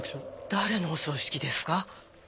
誰のお葬式ですか？